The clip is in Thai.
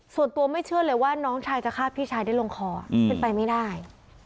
ส่วนตัวไม่เชื่อเลยว่าน้องชายจะฆ่าพี่ชายได้ลงคอเป็นไปไม่ได้